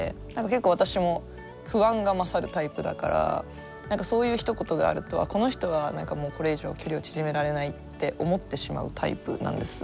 結構私も不安が勝るタイプだからそういうひと言があるとこの人は何かもうこれ以上距離を縮められないって思ってしまうタイプなんです。